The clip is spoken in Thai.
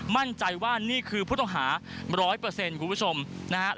มั่นใจว่านี่คือผู้ต้องหาร้อยเปอร์เซ็นต์คุณผู้ชมนะครับ